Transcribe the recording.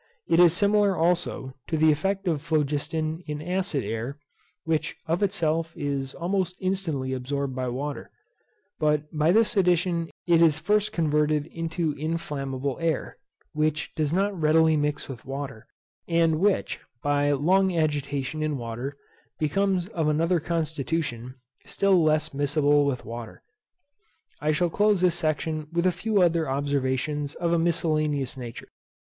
It is similar also to the effect of phlogiston in acid air, which of itself is almost instantly absorbed by water; but by this addition it is first converted into inflammable air, which does not readily mix with water, and which, by long agitation in water, becomes of another constitution, still less miscible with water. I shall close this section with a few other observations of a miscellaneous nature.